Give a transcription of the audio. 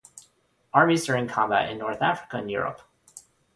Armies during combat in North Africa and Europe.